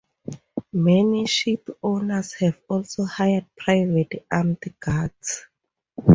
Many ship owners have also hired private armed guards.